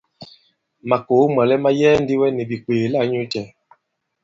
Màkòo mwàlɛ ma yɛɛ ndi wɛ nì bìkwèè la inyūcɛ̄?